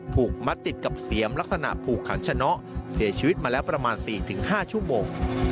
ถูกมัดติดกับเสียมลักษณะผูกขันชะเนาะเสียชีวิตมาแล้วประมาณ๔๕ชั่วโมง